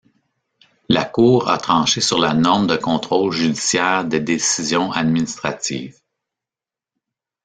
La Cour a tranché sur la norme de contrôle judiciaire des décisions administratives.